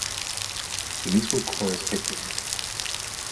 The musical chorus kicked in.